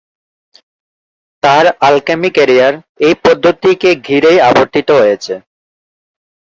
তার alchemy career এই পদ্ধতিকে ঘিরেই আবর্তিত হয়েছে।